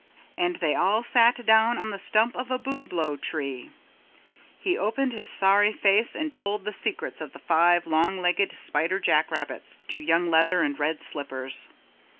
And they all sat down on the stump of a booblow tree. He opened his sorry face and told the secrets of the five long legged spider jack rabbits to Young Leather and Red Slippers.